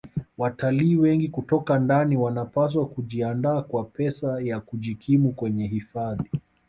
Watalii wengi kutoka ndani wanapaswa kujiandaa kwa pesa ya kujikimu kwenye hifadhi